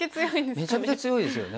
めちゃめちゃ強いですよね。